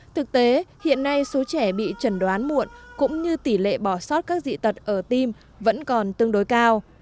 thực tế hiện nay số trẻ bị trần đoán muộn cũng như tỷ lệ bỏ sót các dị tật ở tim vẫn còn tương đối cao